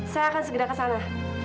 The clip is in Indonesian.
saya akan segera ke sana